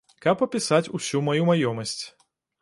Каб апісаць усю маю маёмасць.